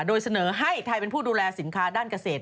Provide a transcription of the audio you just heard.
โดยเสนอให้ไทยเป็นผู้ดูแลสินค้าด้านเกษตร